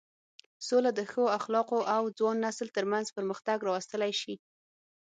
سوله د ښو اخلاقو او ځوان نسل تر منځ پرمختګ راوستلی شي.